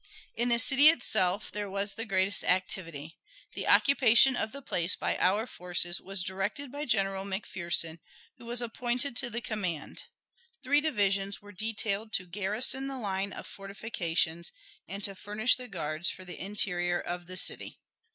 In the city itself there was the greatest activity. The occupation of the place by our forces was directed by General McPherson, who was appointed to the command. Three divisions were detailed to garrison the line of fortifications and to furnish the guards for the interior of the city.